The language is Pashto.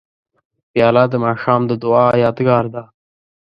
پیاله د ماښام د دعا یادګار ده.